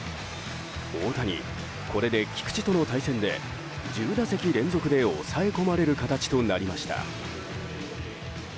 大谷、これで菊池との対戦で１０打席連続で抑え込まれる形となりました。